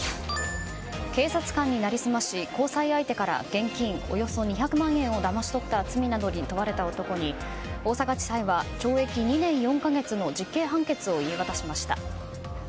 警察官に成り済まし交際相手から現金およそ２００万円をだまし取った罪に問われた男に大阪地裁は懲役２年４か月の実刑判決を言い渡しました。